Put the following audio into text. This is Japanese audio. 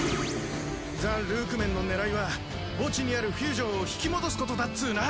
ザ・ルークメンの狙いは墓地にあるフュージョンを引き戻すことだっツーナ！